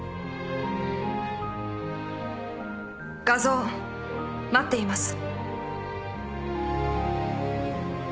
画像待っています。